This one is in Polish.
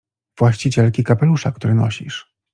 — Właścicielki kapelusza, który nosisz.